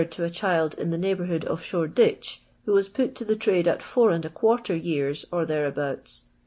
I to a child in the neighbourhood of Shore> I ditch, who was put to the trade nt four and n qtiarter rears, or thereabouts.